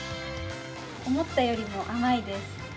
思ったよりも甘いです。